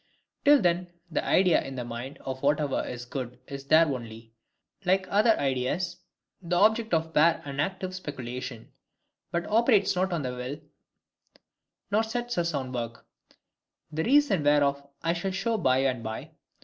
Till then, the idea in the mind of whatever is good is there only, like other ideas, the object of bare unactive speculation; but operates not on the will, nor sets us on work; the reason whereof I shall show by and by.